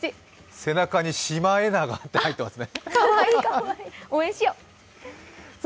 背中に「シマエナガ」って書いてありますね。